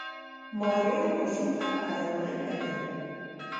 ماريا ماشوم ته په حيرانۍ کتل.